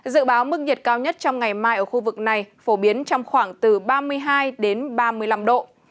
dự báo mức nhiệt cao nhất trong ngày mai ở khu vực này phổ biến trong khoảng từ ba mươi hai đến ba mươi năm độ